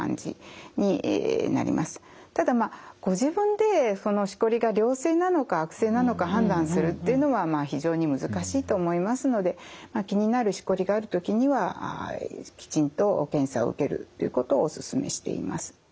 ただまあご自分でそのしこりが良性なのか悪性なのか判断するっていうのは非常に難しいと思いますので気になるしこりがある時にはきちんと検査を受けるっていうことをお勧めしています。